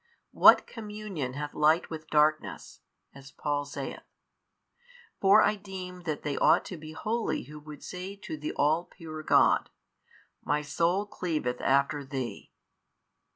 What communion hath light with darkness, as Paul saith? For I deem that they ought to be holy who would say to the All Pure God, My soul cleaveth after Thee.